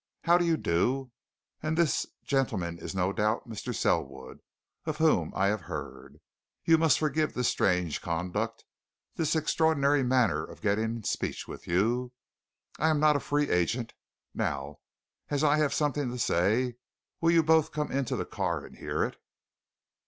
"How do you do? And this gentleman is, no doubt, Mr. Selwood, of whom I have heard? You must forgive this strange conduct, this extraordinary manner of getting speech with you I am not a free agent. Now, as I have something to say will you both come into the car and hear it?"